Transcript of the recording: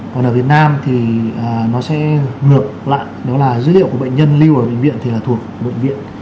còn ở việt nam thì nó sẽ ngược lại đó là dữ liệu của bệnh nhân lưu ở bệnh viện thì là thuộc bệnh viện